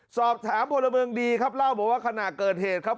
สอบถามพลเมืองดีครับเล่าบอกว่าขณะเกิดเหตุครับ